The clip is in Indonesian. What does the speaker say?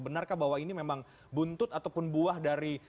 benarkah bahwa ini memang buntut ataupun buah dari